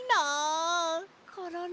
コロロ！